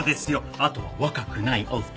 あとは若くないお二人で。